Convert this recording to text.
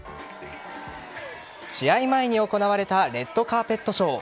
試合前に行われたレッドカーペットショー。